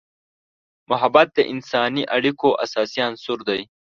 محبت د انسانی اړیکو اساسي عنصر دی.